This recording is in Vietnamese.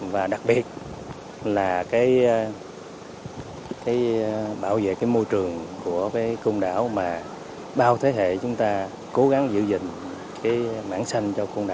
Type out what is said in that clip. và đặc biệt là cái bảo vệ cái môi trường của cái côn đảo mà bao thế hệ chúng ta cố gắng giữ gìn